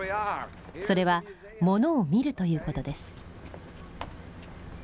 それは「ものを見る」ということです。